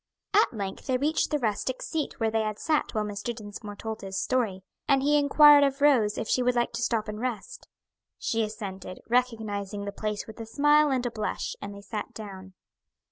At length they reached the rustic seat where they had sat while Mr. Dinsmore told his story, and he inquired of Rose if she would like to stop and rest. She assented, recognizing the place with a smile and a blush, and they sat down.